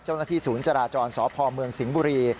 เจ้าหน้าที่ศูนย์จราจรสพเมืองสิงห์บุรี